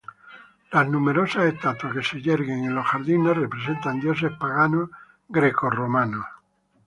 Las numerosas estatuas que se yerguen en los jardines representan dioses paganos greco romanos.